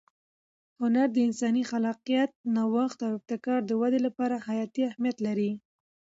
هنر د انساني خلاقیت، نوښت او ابتکار د وده لپاره حیاتي اهمیت لري.